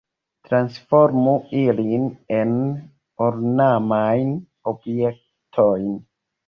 Transformu ilin en ornamajn objektojn!